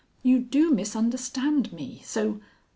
You do misunderstand me, so...."